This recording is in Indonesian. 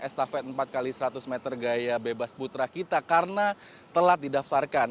estafet empat x seratus meter gaya bebas putra kita karena telat didaftarkan